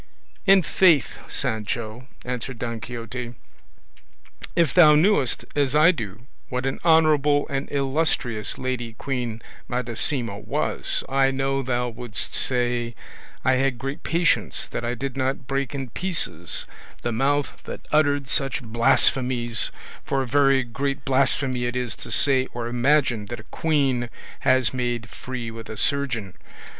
"In faith, Sancho," answered Don Quixote, "if thou knewest as I do what an honourable and illustrious lady Queen Madasima was, I know thou wouldst say I had great patience that I did not break in pieces the mouth that uttered such blasphemies, for a very great blasphemy it is to say or imagine that a queen has made free with a surgeon.